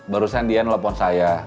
barusan dia nelfon saya